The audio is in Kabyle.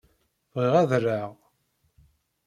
Bɣiɣ ad rreɣ.